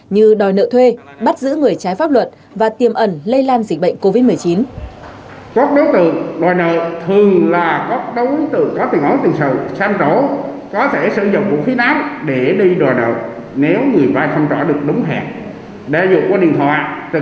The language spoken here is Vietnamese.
như đòi nợ thuê bắt giữ người trái pháp luật và tiềm ẩn lây lan dịch bệnh covid một mươi chín